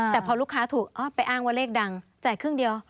แต่พอลูกค้าถูกไปอ้างว่าเลขดังจ่ายครึ่งเดียว